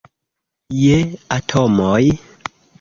Je atomoj.